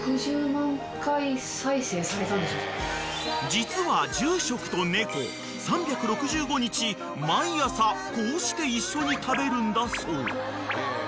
［実は住職と猫３６５日毎朝こうして一緒に食べるんだそう］